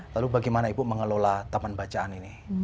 lalu bagaimana ibu mengelola taman bacaan ini